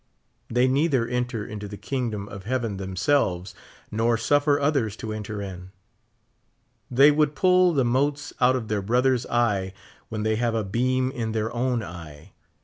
They neither enter into the kingdom of heaven themselves nor suffer others to enter in. They would pull the motes out of their brother's eye when they have a beam in their own eye.